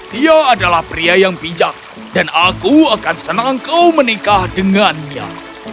dia adalah pria yang bijak dan aku akan senang kau menikah dengannya